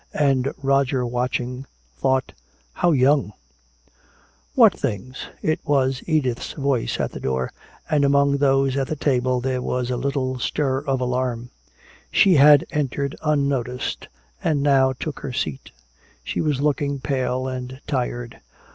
And Roger watching thought, "How young." "What things?" It was Edith's voice at the door, and among those at the table there was a little stir of alarm. She had entered unnoticed and now took her seat. She was looking pale and tired.